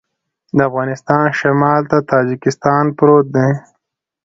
د افغانستان شمال ته تاجکستان پروت دی